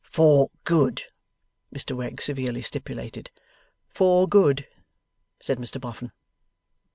'For good!' Mr Wegg severely stipulated. 'For good,' said Mr Boffin.